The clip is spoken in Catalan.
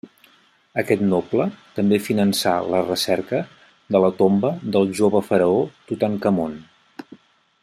Aquest noble també finançà la recerca de la tomba del jove faraó Tutankamon.